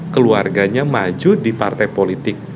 keluarganya maju di partai politik